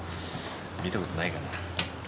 見た事ないかな？